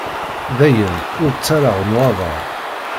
Dayen, ur ttarraɣ nnwaḍer.